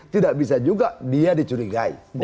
tidak bisa juga dia dicurigai